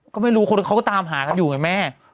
ก็ไม่รู้คนเขาก็ตามหากันอยู่ไงแม่